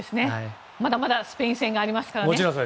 まだまだスペイン戦がありますからね。